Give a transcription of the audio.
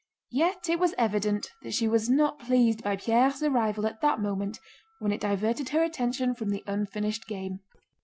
—yet it was evident that she was not pleased by Pierre's arrival at that moment when it diverted her attention from the unfinished game.